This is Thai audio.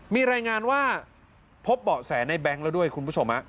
มีรายงานว่าพบเบาะแสในแบงค์แล้วด้วยคุณผู้ชม